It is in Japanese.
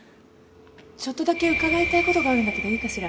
ちょっとだけ伺いたい事があるんだけどいいかしら？